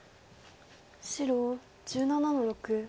白１７の六。